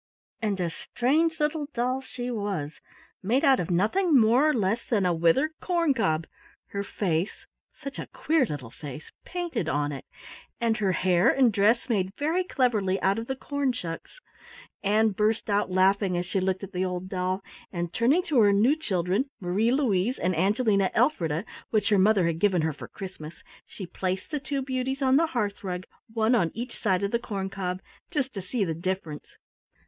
And a strange little doll she was, made out of nothing more or less than a withered corn cob, her face such a queer little face painted on it, and her hair and dress made very cleverly out of the corn shucks. Ann burst out laughing as she looked at the old doll, and turning to her new children, Marie Louise and Angelina Elfrida, which her mother had given her for Christmas, she placed the two beauties on the hearth rug, one on each side of the corn cob, just to see the difference.